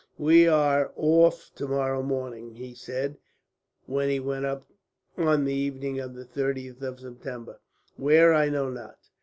"We are off tomorrow morning," he said, when he went up on the evening of the 30th of September. "Where, I know not.